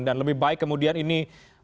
dan lebih baik kemudian ini